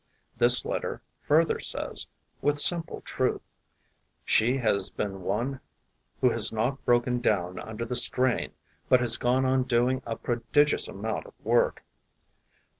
This letter further says, with simple truth: "She has been one who has not broken down under the strain but has gone on doing a prodigious amount 298 DOROTHY CANFIELD FISHER 299 of work.